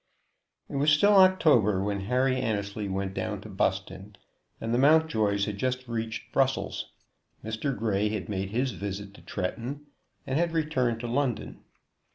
It was still October when Harry Annesley went down to Buston, and the Mountjoys had just reached Brussels. Mr. Grey had made his visit to Tretton and had returned to London.